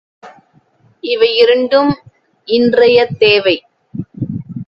இவையிரண்டும் இன்றையத் தேவை!